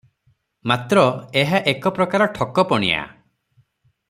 ମାତ୍ର ଏହା ଏକ ପ୍ରକାର ଠକ ପଣିଆ ।